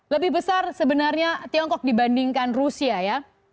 lebih besar sebenarnya tiongkok dibandingkan rusia ya